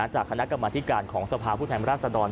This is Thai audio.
จากคณะกรรมอธิการของสภาพุทธรรมราชดร